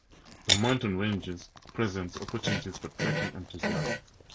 The mountain ranges presents opportunities for trekking enthusiasts.